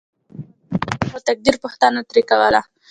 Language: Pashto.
خلکو به د خپل برخلیک او تقدیر پوښتنه ترې کوله.